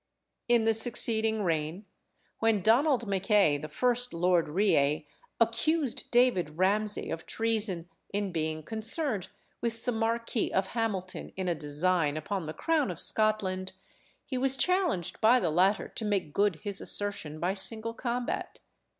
In the succeeding reign, when Donald Mackay, the first Lord Reay, accused David Ramsay of treason, in being concerned with the Marquis of Hamilton in a design upon the crown of Scotland, he was challenged by the latter to make good his assertion by single combat.